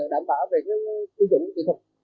đảm bảo về sử dụng kỹ thuật